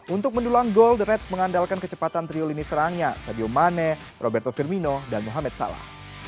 untuk mendulang gol the reds mengandalkan kecepatan trio lini serangnya sadio mane roberto firmino dan mohamed salah